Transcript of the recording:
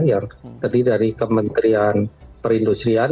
yang terdiri dari kementerian perindustrian